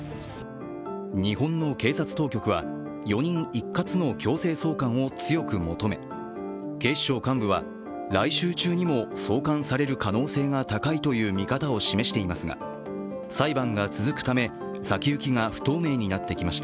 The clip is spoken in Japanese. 日本の警察当局は、４人一括の強制送還を強く求め、警視庁幹部は、来週中にも送還される可能性が高いという見方を示していますが裁判が続くため、先行きが不透明になってきました。